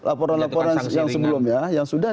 ada laporan laporan yang sebelumnya